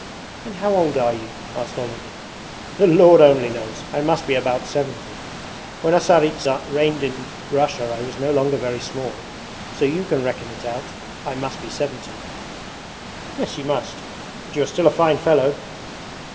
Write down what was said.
'And how old are you?' asked Olenin. 'The Lord only knows! I must be about seventy. When a Tsaritsa reigned in Russia I was no longer very small. So you can reckon it out. I must be seventy.' 'Yes you must, but you are still a fine fellow.'